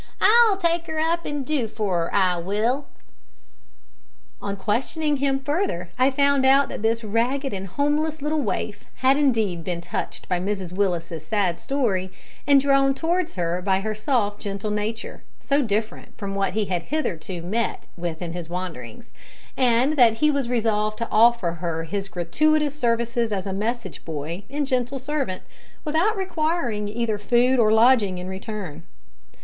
I'll take 'er up and do for 'er, I will." On questioning him further I found that this ragged and homeless little waif had indeed been touched by Mrs Willis's sad story, and drawn towards her by her soft, gentle nature so different from what he had hitherto met with in his wanderings, and that he was resolved to offer her his gratuitous services as a message boy and general servant, without requiring either food or lodging in return.